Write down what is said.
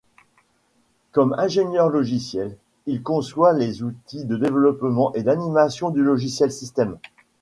Comme ingénieur logiciel, il conçoit les outils de développement et d'animation du logiciel système.